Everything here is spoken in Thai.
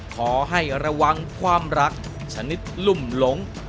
ขอให้ระวังความรักชนิดลุ่มหลง